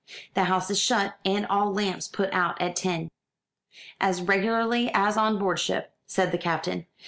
The house is shut, and all lamps put out, at ten." "As regularly as on board ship," said the Captain.